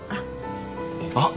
あっ。